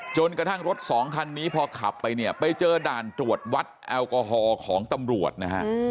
จนกระทั่งรถสองคันนี้พอขับไปเนี่ยไปเจอด่านตรวจวัดแอลกอฮอล์ของตำรวจนะฮะ